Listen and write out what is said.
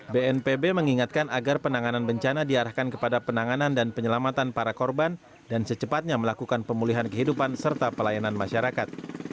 bnpb mengingatkan agar penanganan bencana diarahkan kepada penanganan dan penyelamatan para korban dan secepatnya melakukan pemulihan kehidupan serta pelayanan masyarakat